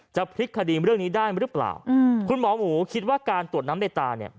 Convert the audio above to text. จะพลิกคดีเรื่องนี้ได้หรือเปล่าคุณหมอหมูคิดว่าการตรวจน้ำในตาเนี่ย